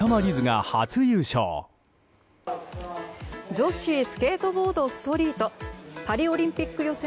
女子スケートボード・ストリートパリオリンピック予選